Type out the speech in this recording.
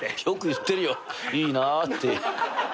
よく言ってるよいいなぁって。